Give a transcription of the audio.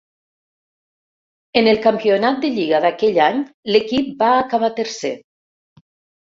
En el campionat de Lliga d'aquell any l'equip va acabar tercer.